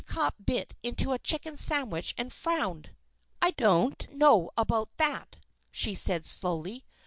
Cupp bit into a chicken sandwich, and frowned. "I don't know about that," she said slowly.